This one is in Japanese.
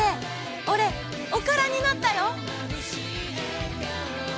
俺おからになったよ！